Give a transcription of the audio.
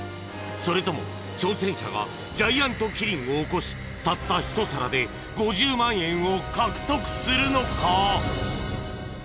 それとも挑戦者がジャイアントキリングを起こしたった一皿で５０万円を獲得するのか？